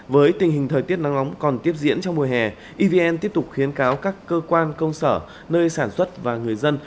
với tình hình thời tiết nắng nóng còn tiếp diễn trong mùa hè evn tiếp tục khuyến cáo các cơ quan công sở nơi sản xuất và người dân